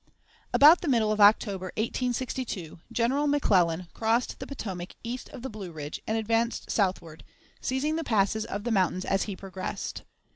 About the middle of October, 1862, General McClellan crossed the Potomac east of the Blue Ridge and advanced southward, seizing the passes of the mountains as he progressed.